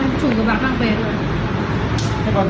nhưng em cũng chủng cái bàn mang về rồi